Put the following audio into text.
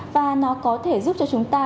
và nó có thể giúp cho chúng ta